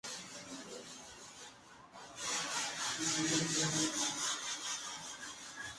Sus protagonistas fueron Frances McDormand y Tate Donovan.